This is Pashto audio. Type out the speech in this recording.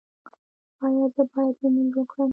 ایا زه باید لمونځ وکړم؟